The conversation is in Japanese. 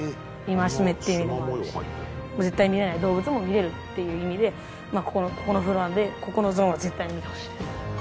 戒めっていう意味もあるし絶対見れない動物も見れるっていう意味でここのフロアでここのゾーンは絶対に見てほしいです。